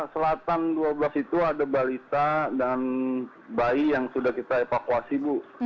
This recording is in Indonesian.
selatan dua belas itu ada balita dan bayi yang sudah kita evakuasi bu